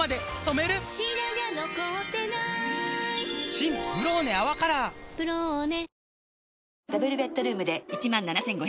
新「ブローネ泡カラー」「ブローネ」